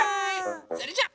それじゃあ。